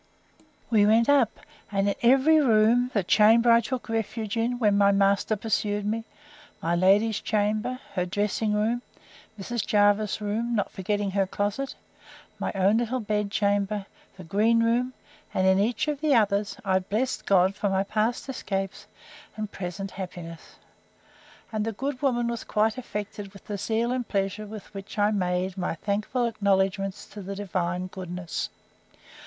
We went up; and in every room, the chamber I took refuge in, when my master pursued me, my lady's chamber, her dressing room, Mrs. Jervis's room, not forgetting her closet, my own little bed chamber, the green room, and in each of the others, I blessed God for my past escapes, and present happiness; and the good woman was quite affected with the zeal and pleasure with which I made my thankful acknowledgments to the divine goodness.